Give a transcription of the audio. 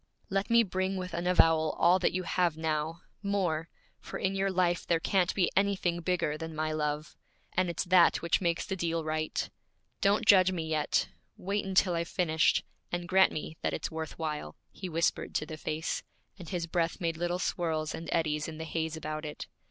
'Let me bring with an avowal all that you have now, more! for in your life there can't be anything bigger than my love. And it's that which makes the deal right. Don't judge me yet! Wait until I've finished, and grant me that it's worth while.' He whispered to the face, and his breath made little swirls and eddies in the haze about it.